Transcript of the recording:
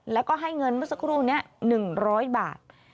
แล้วก็ให้เงินเมื่อสักครู่นี้๑๐๐บาท